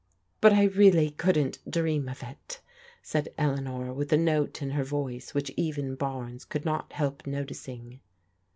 " But I really couldn't dream of it," said Eleanor with a note in her voice whicTi even Barnes could not help noticing.